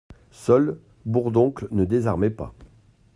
Seul, Bourdoncle ne désarmait pas.